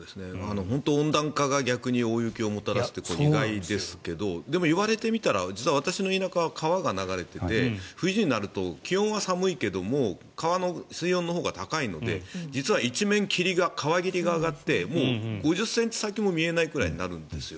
温暖化が逆に大雪をもたらすって意外ですけどでも言われてみたら実は私の田舎は川が流れていて気温は寒いけど川の水温のほうが高いので実は一面、川霧が上がって５０ｃｍ先も見えないぐらいになるんですよ。